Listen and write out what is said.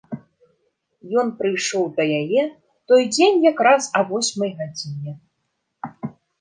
Ён прыйшоў да яе ў той дзень якраз а восьмай гадзіне.